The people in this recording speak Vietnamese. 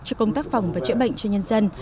cho công tác phòng và chữa bệnh cho nhân dân